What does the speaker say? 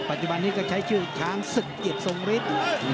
ปัจจุบันนี้ก็ใช้ชื่อช้างศึกเกียรติทรงฤทธิ์